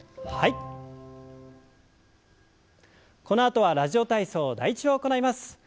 このあとは「ラジオ体操第１」を行います。